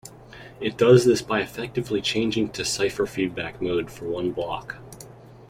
It does this by effectively changing to cipher feedback mode for one block.